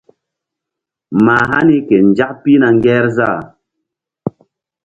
Mah hani ke nzak pihna ŋgerzah.